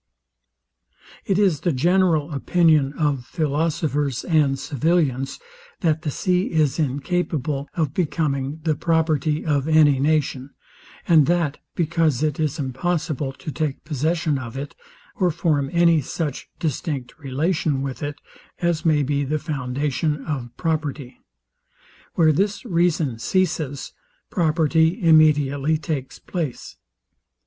It is the general opinion of philosophers and civilians, that the sea is incapable of becoming the property of any nation; and that because it is impossible to take possession of it, or form any such distinct relation with it, as may be the foundation of property. Where this reason ceases, property immediately takes place.